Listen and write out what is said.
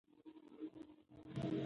هغه زده کوونکي چې پوښتنه کوي ښه زده کوي.